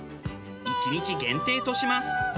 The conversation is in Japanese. １日限定とします。